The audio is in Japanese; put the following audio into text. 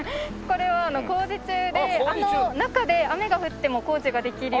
これは工事中で中で雨が降っても工事ができるように。